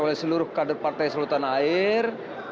hadir oleh seluruh kader partai selatan air